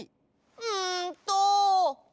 うんと。